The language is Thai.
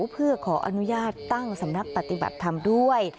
เพื่อขออนุญาตตั้งสำนักปฏิบัติธรรมด้วย